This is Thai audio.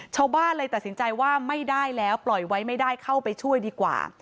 ชาวบ้านเลยตัดสินใจว่าไม่ได้แล้วปล่อยไว้ไม่ได้เข้าไปช่วยดีกว่า